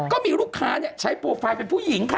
ก็มีลูกค้าใช้โปรไฟล์เป็นผู้หญิงค่ะ